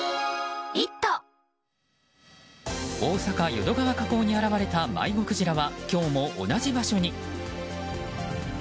大阪・淀川河口に現れた迷子クジラは、今日も同じ場所に。